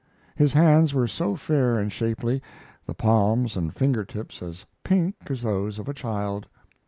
His hands were so fair and shapely; the palms and finger tips as pink as those of a child.